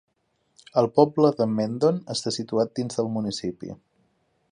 El poble de Mendon està situat dins del municipi.